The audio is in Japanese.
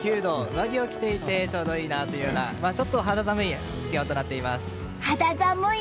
上着を着ていてちょうどいいなというようなちょっと肌寒い気温になっています。